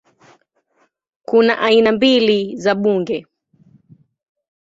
Kuna aina mbili za bunge